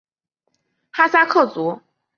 哈萨克族。